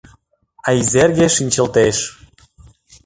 А Изерге шинчылтеш